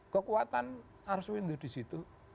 kekuatan ars windu di situ